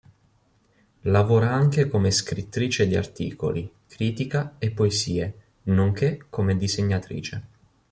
Lavora anche come scrittrice di articoli, critica e poesie, nonché come disegnatrice.